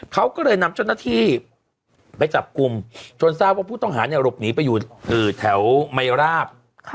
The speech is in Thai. เขาก็เลยนำเจ้าหน้าที่ไปจับกลุ่มจนทราบว่าผู้ต้องหาเนี่ยหลบหนีไปอยู่แถวไมราบ